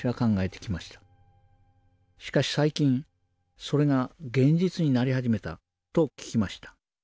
しかし最近それが現実になり始めたと聞きました。